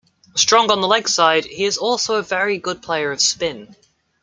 Strong on the leg side, he is also a very good player of spin.